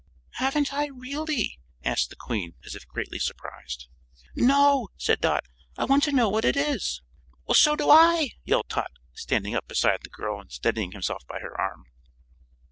"Haven't I, really?" asked the Queen, as if greatly surprised. "No," said Dot. "I want to know what it is." "So do I," yelled Tot, standing up beside the girl and steadying himself by her arm.